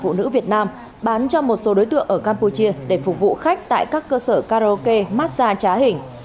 phụ nữ việt nam bán cho một số đối tượng ở campuchia để phục vụ khách tại các cơ sở karaoke massage trá hình